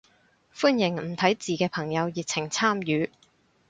歡迎唔睇字嘅朋友熱情參與